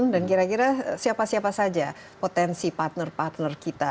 dan kira kira siapa siapa saja potensi partner partner kita